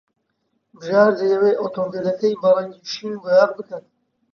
بژار دەیەوێت ئۆتۆمۆبیلەکەی بە ڕەنگی شین بۆیاغ بکات.